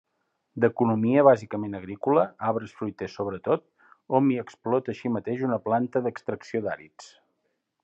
D'economia bàsicament agrícola, arbres fruiters sobretot, hom hi explota així mateix una planta d'extracció d'àrids.